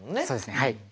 そうですねはい。